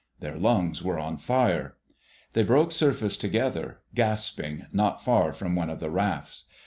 Their lungs were on fire. They broke surface together, gasping, not far from one of the rafts.